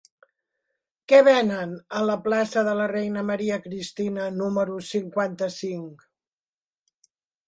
Què venen a la plaça de la Reina Maria Cristina número cinquanta-cinc?